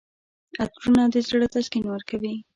عطرونه د زړه تسکین ورکوي.